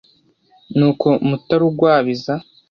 n'uko mutarugwabiza